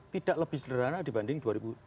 tidak lebih sederhana dibanding